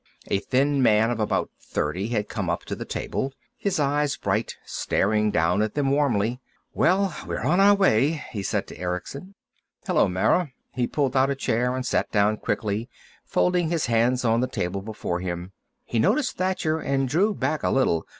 A thin man of about thirty had come up to the table, his eyes bright, staring down at them warmly. "Well, we're on our way," he said to Erickson. "Hello, Mara." He pulled out a chair and sat down quickly, folding his hands on the table before him. He noticed Thacher and drew back a little.